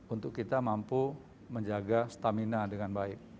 untuk kita mampu menjaga stamina dengan baik